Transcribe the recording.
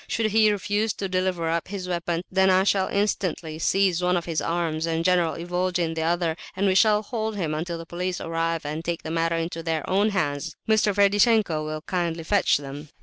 Should he refuse to deliver up his weapon, then I shall instantly seize one of his arms and General Ivolgin the other, and we shall hold him until the police arrive and take the matter into their own hands. Mr. Ferdishenko will kindly fetch them."